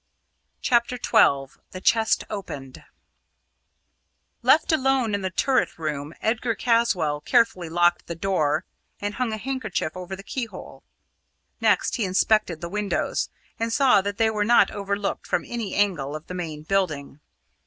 CHAPTER XII THE CHEST OPENED Left alone in the turret room, Edgar Caswall carefully locked the door and hung a handkerchief over the keyhole. Next, he inspected the windows, and saw that they were not overlooked from any angle of the main building.